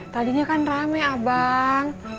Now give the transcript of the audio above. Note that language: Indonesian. tadinya kan rame abang